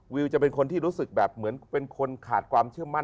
วิวจะเป็นคนที่รู้สึกแบบเหมือนเป็นคนขาดความเชื่อมั่น